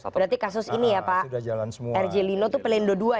berarti kasus ini ya pak rj lino itu pelindo dua ya